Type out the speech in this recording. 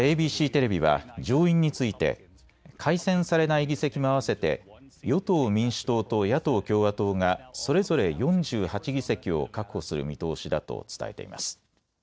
ＡＢＣテレビは上院について改選されない議席も合わせて与党・民主党と野党・共和党がそれぞれ４８議席を確保する見通しだと伝えています。